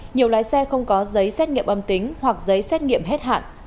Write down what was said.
nhiều lái xe không có giấy xét nghiệm âm tính hoặc giấy xét nghiệm hết hạn